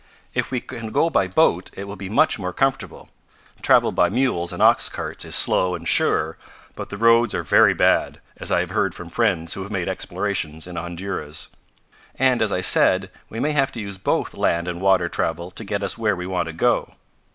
If we can go by boat it will be much more comfortable. Travel by mules and ox carts is slow and sure, but the roads are very bad, as I have heard from friends who have made explorations in Honduras. "And, as I said, we may have to use both land and water travel to get us where we want to go.